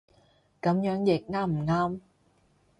噉樣譯啱唔啱